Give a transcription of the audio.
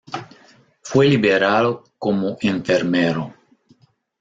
Fue liberado como enfermero.